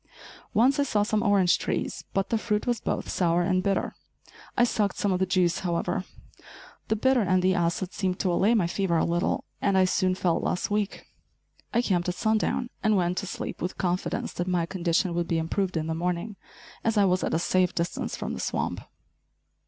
Once I saw some orange trees, but the fruit was both sour and bitter. I sucked some of the juice, however. The bitter and the acid seemed to allay my fever a little, and I soon felt less weak. I camped at sundown, and went to sleep with confidence that my condition would be improved in the morning, as I was at a safe distance from the swamp.